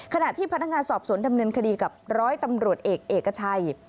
ขณะที่พนักงานสอบสวนดำเนินคดีกับร้อยตำรวจเอกเอกชัย